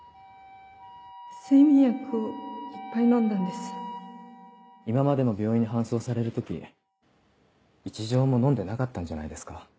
睡眠薬をいっぱい飲んだんで今までも病院に搬送される時一錠も飲んでなかったんじゃないですか？